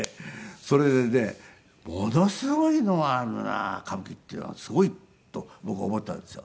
それでねものすごいのがあるな歌舞伎っていうのはすごいと僕は思ったんですよ。